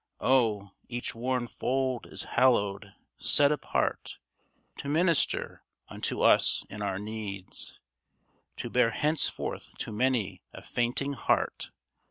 Oh ! each worn fold is hallowed ! set apart To minister unto us in our needs — To bear henceforth to many a fainting heart.